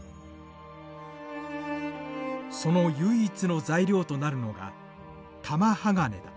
その唯一の材料となるのが玉鋼だ。